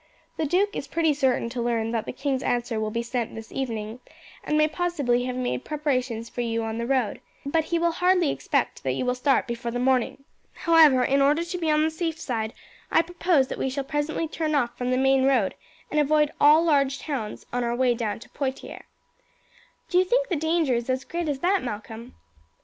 The duke is pretty certain to learn that the king's answer will be sent this evening, and may possibly have made preparations for you on the road; but he will hardly expect that you will start before the morning. However, in order to be on the safe side I propose that we shall presently turn off from the main road and avoid all large towns on our way down to Poitiers." "Do you think the danger is as great as that, Malcolm?"